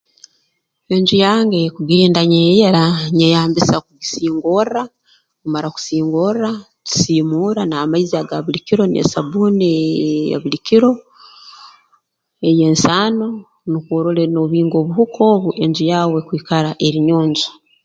Enju yange kugirinda neeyera nyeyambisa kugisingorra tumara kusingorra tusiimuura n'amaizi aga buli kiro n'esabbuuni ee eya buli kiro ey'ensaano nukwo orole noobinga obuhuka obu enju yaawe kwikara eri nyonjo